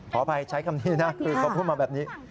ขออภัยใช้คำนี้นะคือเขาพูดมาแบบนี้